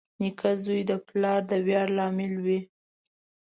• نېک زوی د پلار د ویاړ لامل وي.